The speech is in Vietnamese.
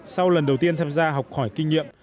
sau lần đầu tiên tham gia học khỏi kinh nghiệm